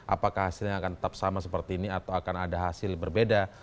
apakah hasilnya akan tetap sama seperti ini atau akan ada hasil berbeda